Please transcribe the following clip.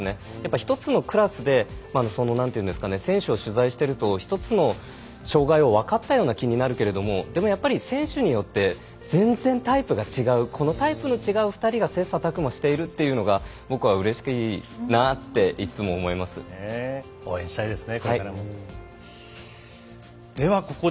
１つのクラスで選手を取材してると一つの障がいを分かったような気になるけれどもでも、やっぱり選手によって全然タイプが違うこのタイプの違う２人が切さたく磨しているというのが僕はうれしいなといつも思いますね。